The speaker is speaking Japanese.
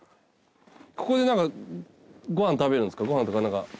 ここで何かご飯食べるんですか？